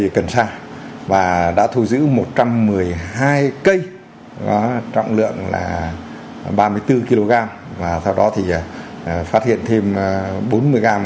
cây cần xa và đã thu giữ một trăm một mươi hai cây trọng lượng là ba mươi bốn kg và sau đó thì phát hiện thêm bốn mươi g